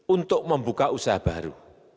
untuk membuka usaha baru